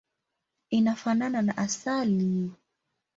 Inafanana na asali.